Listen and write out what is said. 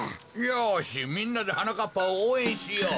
よしみんなではなかっぱをおうえんしよう。